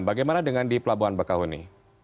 bagaimana dengan di pelabuhan bakau huni